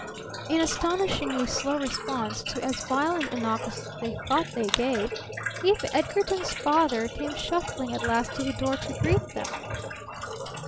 In astonishingly slow response to as violent a knock as they thought they gave, Eve Edgarton's father came shuffling at last to the door to greet them.